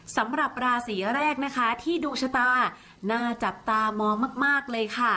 สำหรับราศีแรกนะคะที่ดวงชะตาน่าจับตามองมากเลยค่ะ